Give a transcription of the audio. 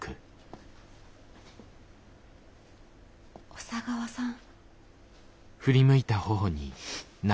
小佐川さん。